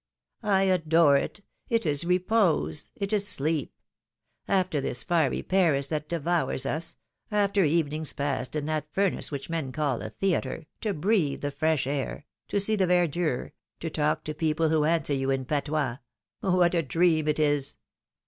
I adore it ! It is repose ; it is sleep ! After this fiery 246 philomI^ne's marriages. Paris that devours us, after evenings passed in that furnace which men call a theatre, to breathe the fresh air, to see the verdure, to talk to people who answer you in patois — what a dream it is